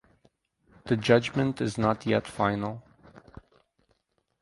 The judgment is not yet final.